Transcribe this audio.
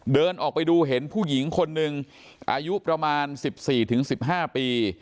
เดินออกไปดูเห็นผู้หญิงคนหนึ่งอายุประมาณ๑๔๑๕ปี